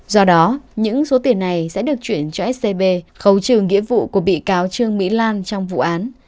do đó những số tiền này sẽ được chuyển cho scb khấu trừ nghĩa vụ của bị cáo trương mỹ lan trong vụ án